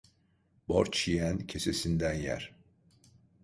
Borç yiyen kesesinden yer.